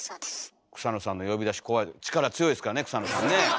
草野さんの呼び出し怖い力強いですからね草野さんね。